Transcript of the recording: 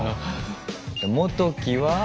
もときは？